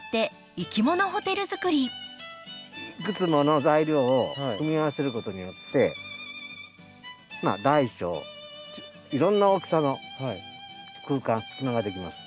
いくつもの材料を組み合わせることによって大小いろんな大きさの空間隙間ができます。